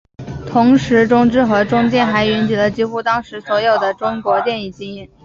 同时中制和中电还云集了几乎当时所有的中国电影精英。